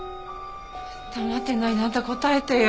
黙ってないであんた答えてよ。